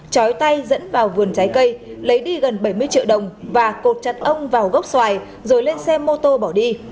chói tay dẫn vào vườn trái cây lấy đi gần bảy mươi triệu đồng và cột chặt ông vào gốc xoài rồi lên xe mô tô bỏ đi